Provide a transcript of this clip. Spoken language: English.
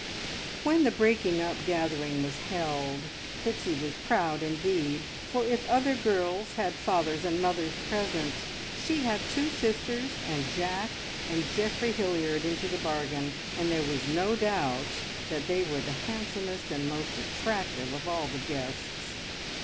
When the breaking up gathering was held, Pixie was proud indeed, for if other girls had fathers and mothers present, she had two sisters and Jack and Geoffrey Hilliard into the bargain, and there was no doubt that they were the handsomest and most attractive of all the guests.